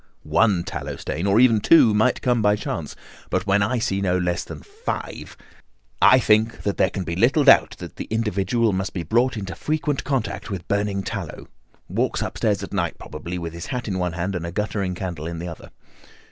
"One tallow stain, or even two, might come by chance; but when I see no less than five, I think that there can be little doubt that the individual must be brought into frequent contact with burning tallow—walks upstairs at night probably with his hat in one hand and a guttering candle in the other.